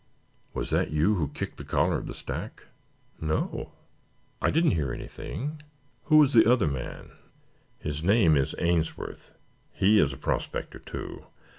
Was that you who kicked the collar of the stack?" "No. I didn't hear anything. Who was the other man?" "His name is Ainsworth. He is a prospector, too.